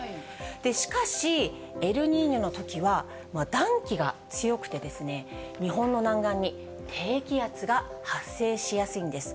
しかし、エルニーニョのときは暖気が強くてですね、日本の南岸に低気圧が発生しやすいんです。